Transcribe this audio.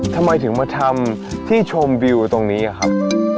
ทำไมถึงมาทำที่ชมวิวตรงนี้อะครับ